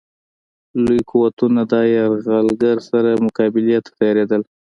لوی قوتونه له یرغلګر سره مقابلې ته تیارېدل.